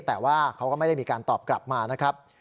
แต่ว่าเขาก็ไม่ได้มีการตอบกลับมานะครับ